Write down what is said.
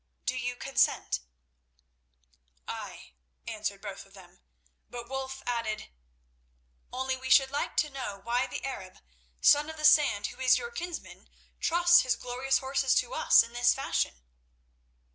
Do you consent?" "Aye," answered both of them, but Wulf added: "Only we should like to know why the Arab, Son of the Sand, who is your kinsman, trusts his glorious horses to us in this fashion."